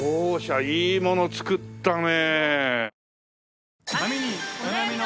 いいもの作ったね！